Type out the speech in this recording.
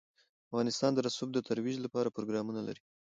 افغانستان د رسوب د ترویج لپاره پروګرامونه لري.